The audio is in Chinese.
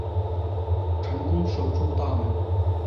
成功守住大门